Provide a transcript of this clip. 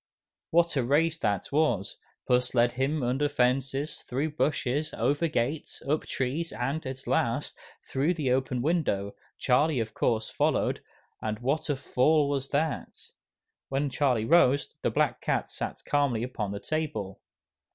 What a race that was! Puss led him under fences, through bushes, over gates, up trees, and, at last, through the open window, Charlie of course followed, and what a fall was that! When Charlie rose, the black cat sat calmly upon the table.